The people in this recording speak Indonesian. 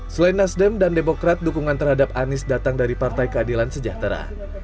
selain nasdem dan demokrat dukungan terhadap anies datang dari partai keadilan sejahtera